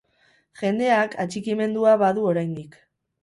Jendeak atxikimendua badu oraindik.